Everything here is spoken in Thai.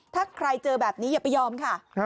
ถ้าใครเจอแบบนี้อย่าไปยอมค่ะ